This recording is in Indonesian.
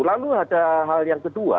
lalu ada hal yang kedua